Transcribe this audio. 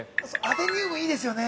◆アデニウム、いいですよね。